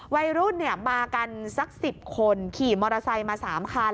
วัยรุ่นมากันสัก๑๐คนขี่มอเตอร์ไซค์มา๓คัน